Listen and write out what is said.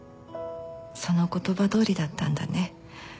その言葉どおりだったんだね。